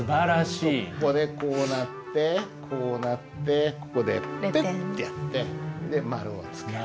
ここでこうなってこうなってここでピッとやってで丸をつける。